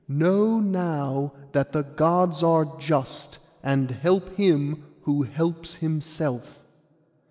Know now that the Gods are just, and help him who helps himself.